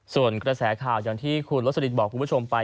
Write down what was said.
ส่วนกระแสข่าวอย่างที่คุณโรสลินบอกคุณผู้ชมไป